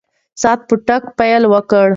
ساعت په ټکا پیل وکړ.